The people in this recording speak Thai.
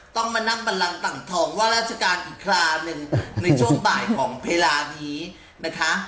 ต้องมานั่งบันลังต่างทองว่าราชการอีกคราหนึ่งในช่วงบ่ายของเวลานี้นะคะ